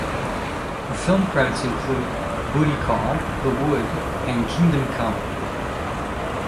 Her film credits include "Booty Call", "The Wood", and "Kingdom Come".